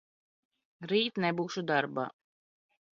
Rīt nebūšu darbā.